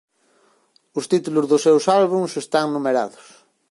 Os títulos dos seus álbums están numerados.